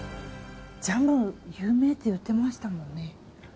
ジャム、有名って言ってましたもんね。